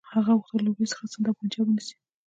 هغه غوښتل له هغوی څخه سند او پنجاب ونیسي.